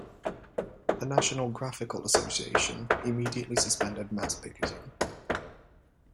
The National Graphical Association immediately suspended mass picketing.